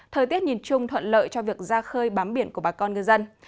thời tiết nhìn chung thuận lợi cho việc ra khơi bám biển của bà con ngư dân